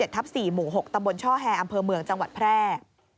ทับ๔หมู่๖ตำบลช่อแฮอำเภอเมืองจังหวัดแพร่